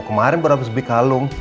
kemarin berambil sebuah kalung